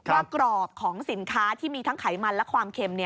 กรอบของสินค้าที่มีทั้งไขมันและความเค็ม